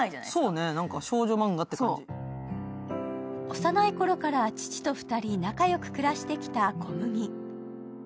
幼いころから父と二人仲良く暮らしてきた小麦。